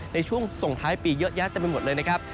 ในช่วงส่งท้ายปีเยอะแยะเต็มไปหมดเลยนะครับ